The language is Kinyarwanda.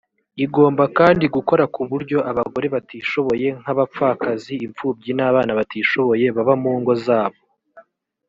igomba kandi gukora ku buryo abagore batishoboye nk abapfakazi imfubyi n abana batishoboye baba mu ngo zabo